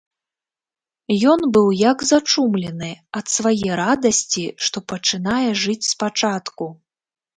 Ён быў як зачумлены ад свае радасці, што пачынае жыць спачатку.